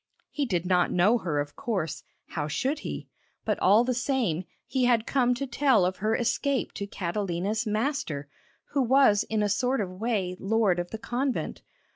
He did not know her, of course; how should he? But all the same, he had come to tell of her escape to Catalina's master, who was in a sort of way lord of the convent.